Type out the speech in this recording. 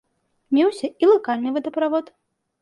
Меўся і лакальны водаправод.